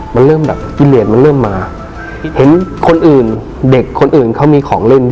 มันเริ่มจิเรสมาเห็นคนอื่นเด็กเค้ามีของเล่น